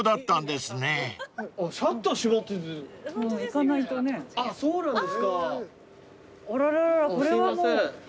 すいません。